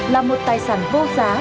là một tài sản vô giá